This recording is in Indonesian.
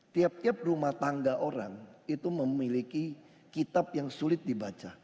tiap tiap rumah tangga orang itu memiliki kitab yang sulit dibaca